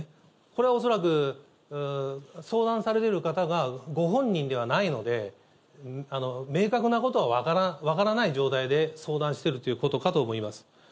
これは恐らく、相談されてる方がご本人ではないので、明確なことは分からない状態で相談してるということかと思います。